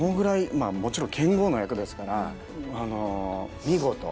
まあもちろん剣豪の役ですからあの見事。